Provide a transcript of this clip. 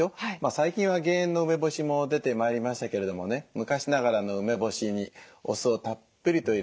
最近は減塩の梅干しも出てまいりましたけれどもね昔ながらの梅干しにお酢をたっぷりと入れましてね。